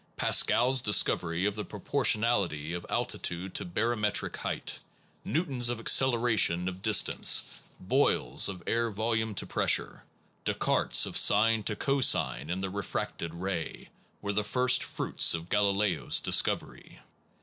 Pascal s discovery of the proportion ality of altitude to barometric height, New ton s of acceleration to distance, Boyle s of 21 SOME PROBLEMS OF PHILOSOPHY air volume to pressure, Descartes of sine to co sine in the refracted ray, were the first fruits of Galileo s discovery.